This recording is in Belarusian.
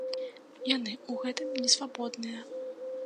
Яны ў гэтым не свабодныя.